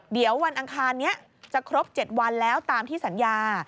เดี๋ยววันอังคารนี้จะครบ๗วันแล้วตามที่สัญญา